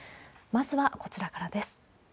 まずはこちらからです。